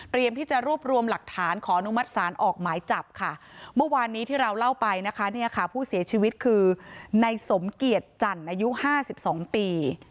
ที่จะรวบรวมหลักฐานขออนุมัติศาลออกหมายจับค่ะเมื่อวานนี้ที่เราเล่าไปนะคะเนี่ยค่ะผู้เสียชีวิตคือในสมเกียจจันทร์อายุห้าสิบสองปี